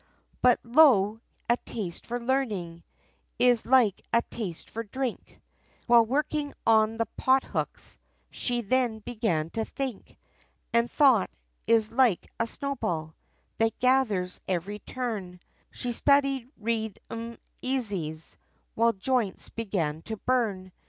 But lo! a taste for learning, Is like a taste for drink, While working on the pothooks, She then began to think. And thought, is like a snowball, That gathers every turn; She studied read 'em easys, While joints began to burn.